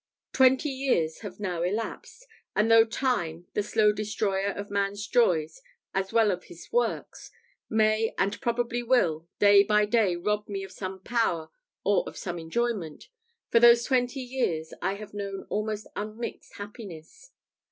Twenty years have now elapsed; and though Time, the slow destroyer of man's joys as well as of his works, may, and probably will, day by day rob me of some power or of some enjoyment, for those twenty years I have known almost unmixed happiness.